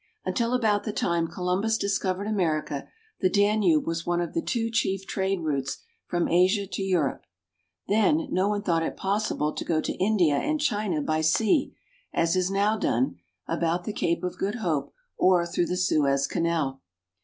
Until about the time Columbus discovered America, the Danube was one of the two chief trade routes from Asia to Europe. Then no one thought it possible to go to India and China by sea, as is now done, about the Cape of Good Hope, or through the Suez Canal.